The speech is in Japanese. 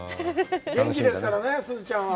元気ですからね、すずちゃんは。